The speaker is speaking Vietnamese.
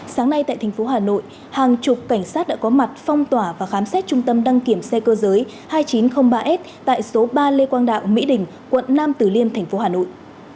sáng nay tại thành phố hà nội hàng chục cảnh sát đã có mặt phong tỏa và khám xét trung tâm đăng kiểm xe cơ giới hai nghìn chín trăm linh ba s tại số ba lê quang đạo mỹ đình quận nam tử liêm thành phố hà nội